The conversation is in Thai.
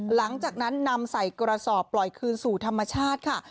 หลังจากนั้นนำใส่กระสอบปล่อยคืนสู่ธรรมชาติค่ะ